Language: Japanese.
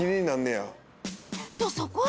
とそこへ。